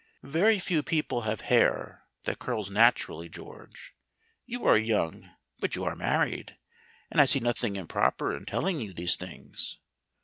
Very few people have hair that curls naturally, George. You are young, but you are married, and I see nothing improper in telling you these things.